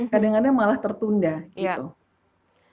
kadang kadang malah tertunda gitu